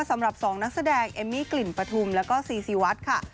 สำหรับ๒นักแสดงเอมมี่กลิ่นปฐุมแล้วก็ซีซีวัดค่ะ